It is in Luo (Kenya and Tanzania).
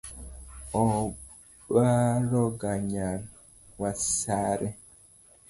Obarogo nyar wasare